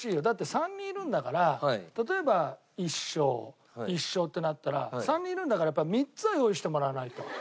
だって３人いるんだから例えば１勝１勝ってなったら３人いるんだからやっぱ３つは用意してもらわないと。